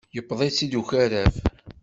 Yuweḍ-itt-id ukaraf.